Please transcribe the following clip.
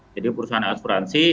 jadi perusahaan asuransi